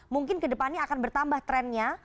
mungkin ke depannya akan bertambah trennya